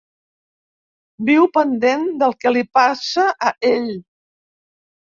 Viu pendent del que li passa a ell.